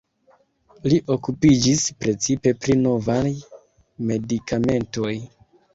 Li okupiĝis precipe pri novaj medikamentoj.